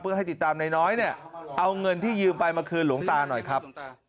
เพื่อให้ติดตามนายน้อยเนี่ยเอาเงินที่ยืมไปมาคืนหลวงตาหน่อยครับ